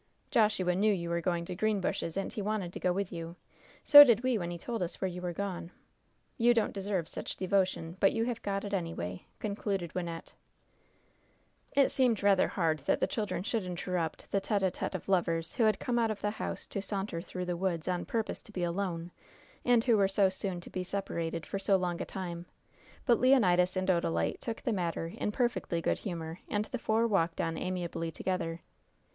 "Joshua knew you were going to Greenbushes, and he wanted to go with you. So did we when he told us where you were gone. You don't deserve such devotion; but you have got it anyway," concluded Wynnette. It seemed rather hard that the children should interrupt the tête à tête of lovers who had come out of the house to saunter through the woods on purpose to be alone, and who were so soon to be separated for so long a time; but Leonidas and Odalite took the matter in perfectly good humor, and the four walked on amiably together.